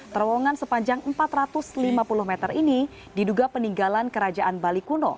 terowongan sepanjang empat ratus lima puluh meter ini diduga peninggalan kerajaan bali kuno